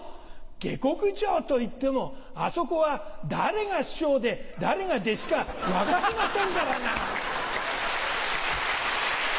下克上といってもあそこは誰が師匠で誰が弟子か分かりませんからな。